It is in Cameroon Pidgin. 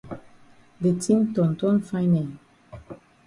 De tin ton ton fine eh.